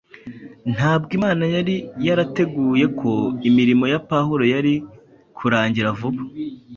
Ntabwo Imana yari yarateguye ko imirimo ya Pawulo yari kurangira vuba;